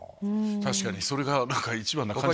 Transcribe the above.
確かにそれがなんか一番。